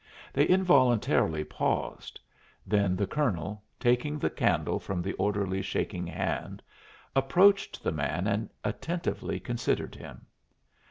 They involuntarily paused; then the colonel, taking the candle from the orderly's shaking hand, approached the man and attentively considered him.